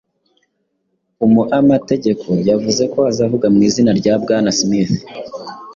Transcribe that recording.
Umuamategeko yavuze ko azavuga mu izina rya Bwana Smith.